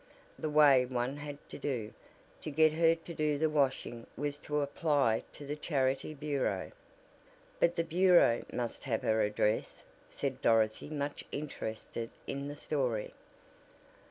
The way one had to do, to get her to do washing, was to apply to the Charity Bureau." "But the Bureau must have her address," said Dorothy much interested in the story.